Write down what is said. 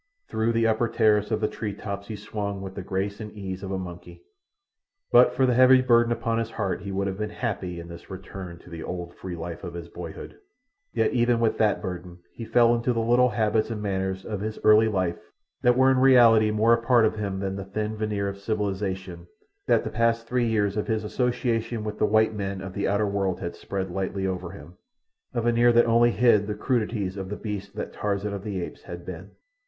Through the upper terrace of the tree tops he swung with the grace and ease of a monkey. But for the heavy burden upon his heart he would have been happy in this return to the old free life of his boyhood. Yet even with that burden he fell into the little habits and manners of his early life that were in reality more a part of him than the thin veneer of civilization that the past three years of his association with the white men of the outer world had spread lightly over him—a veneer that only hid the crudities of the beast that Tarzan of the Apes had been.